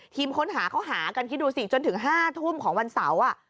ทีมค้นหาเขาหากันคิดดูสิจนถึง๕ทุ่มของวันเสาร์